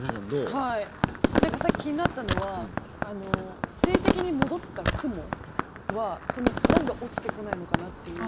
さっき気になったのは水滴に戻った雲はなんで落ちてこないのかなっていう。